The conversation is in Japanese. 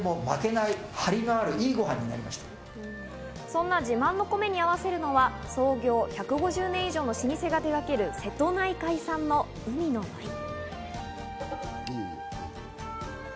そんな自慢の米に合わせるのは創業１５０年以上の老舗が手がける瀬戸内海産の海ののり。